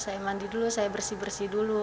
saya mandi dulu saya bersih bersih dulu